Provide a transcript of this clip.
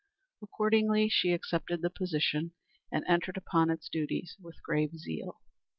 Accordingly she accepted the position and entered upon its duties with grave zeal.